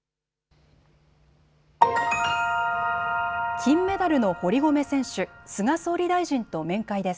金メダルの堀米選手、菅総理大臣と面会です。